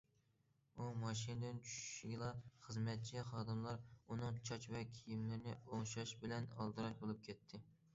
ئۇ ماشىنىدىن چۈشۈشىگىلا خىزمەتچى خادىملار ئۇنىڭ چاچ ۋە كىيىملىرىنى ئوڭشاش بىلەن ئالدىراش بولۇپ كەتتى.